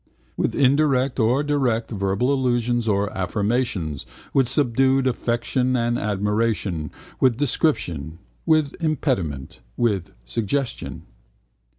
With indirect and direct verbal allusions or affirmations: with subdued affection and admiration: with description: with impediment: with suggestion.